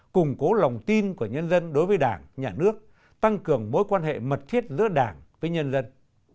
củng cố lòng tin của nhân dân đối với đảng nhà nước tăng cường mối quan hệ mật thiết giữa đảng với nhân dân